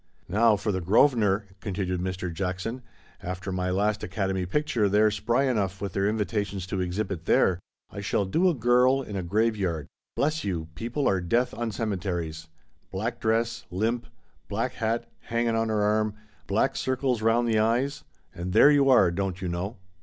"Now, for the Grosvenor," continued Mr. Jackson —" after my i Time of Roses ' they'll be spry enough with their invitations to ex hibit there — I shall do a girl in a graveyard. NEW HOPES. 183 Bless you, people are ' death ' on cemeteries. Black dress — limp black hat, hangin' on her arm — black circles rou nd the eyes. And there you are, don't you know."